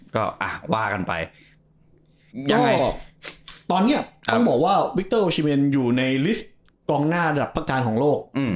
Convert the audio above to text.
ก็อ่ะว่ากันไปยังไงตอนนี้ต้องบอกว่าวิกเตอร์โอชิเมนอยู่ในลิสต์กองหน้าระดับประการของโลก